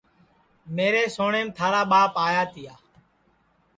میرے سوٹؔیم تھارا ٻاپ آیا تِیا